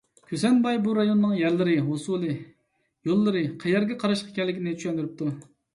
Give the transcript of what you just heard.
كۈسەنباي بۇ رايوننىڭ يەرلىرى، ھوسۇلى، يوللىرى، قەيەرگە قاراشلىق ئىكەنلىكىنى چۈشەندۈرۈپتۇ.